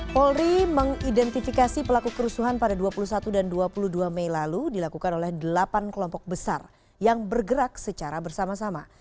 polri mengidentifikasi pelaku kerusuhan pada dua puluh satu dan dua puluh dua mei lalu dilakukan oleh delapan kelompok besar yang bergerak secara bersama sama